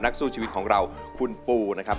สู้ชีวิตของเราคุณปูนะครับ